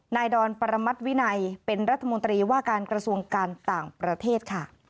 ดอนประมัติวินัยเป็นรัฐมนตรีว่าการกระทรวงการต่างประเทศค่ะ